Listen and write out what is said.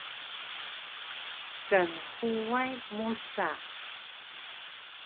Knhuway musa